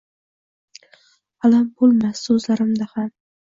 Alam bulmas suzlarimda xam